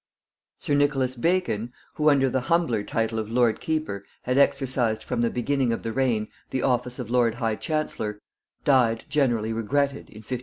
Sir Nicholas Bacon, who under the humbler title of lord keeper had exercised from the beginning of the reign the office of lord high chancellor, died generally regretted in 1579.